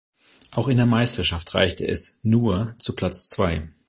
Auch in der Meisterschaft reichte es „nur“ zu Platz zwei.